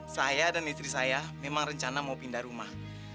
saya dan istri saya memang rencana mau pindah rumah